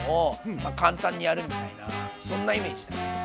ちょっとそんなイメージだね。